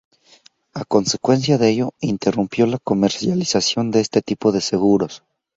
A consecuencia de ello interrumpió la comercialización de este tipo de seguros.